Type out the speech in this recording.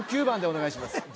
１９番でお願いします